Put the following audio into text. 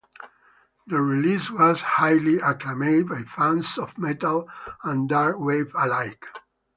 The release was highly acclaimed by fans of metal and dark wave alike.